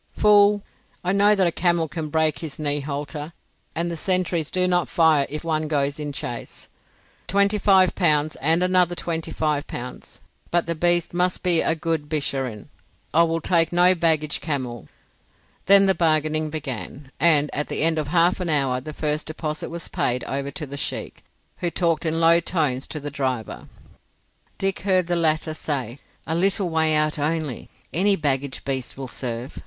"Fool! I know that a camel can break his knee halter, and the sentries do not fire if one goes in chase. Twenty five pounds and another twenty five pounds. But the beast must be a good Bisharin; I will take no baggage camel." Then the bargaining began, and at the end of half an hour the first deposit was paid over to the sheik, who talked in low tones to the driver. Dick heard the latter say: "A little way out only. Any baggage beast will serve.